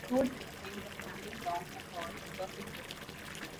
Codes that attain the Hamming bound are called perfect codes.